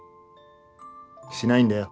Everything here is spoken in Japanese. しないんだよ。